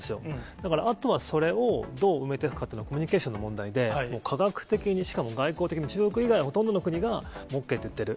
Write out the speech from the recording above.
だから、あとはそれをどう埋めていくかというのはコミュニケーションの問題で、科学的に、しかも外交的に、中国以外、ほとんどの国がＯＫって言ってる。